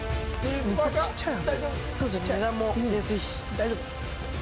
大丈夫。